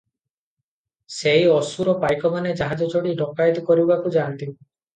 ସେଇ ଅସୁର ପାଇକମାନେ ଜାହାଜ ଚଢ଼ି ଡକାଏତି କରିବାକୁ ଯାନ୍ତି ।"